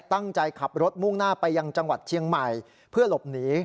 ตั้งใจขับรถมุ่งหน้าไปยังจังหวัดเชียงใหม่เพื่อหลบหนี